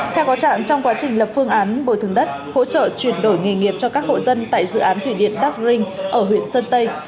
theo có trạng trong quá trình lập phương án bồi thường đất hỗ trợ chuyển đổi nghề nghiệp cho các hộ dân tại dự án thủy điện đắc rinh ở huyện sơn tây